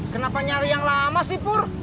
kenapa nyari yang lama sih pur